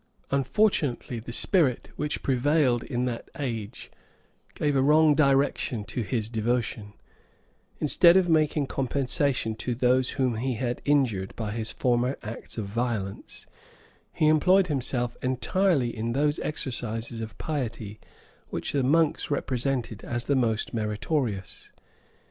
Unfortunately, the spirit which prevailed in that age gave a wrong direction to his devotion: instead of making compensation to those whom he had injured by his former acts of violence, he employed himself entirely in those exercises of piety which the monks represented as the most meritorious.